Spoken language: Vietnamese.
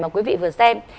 mà quý vị vừa xem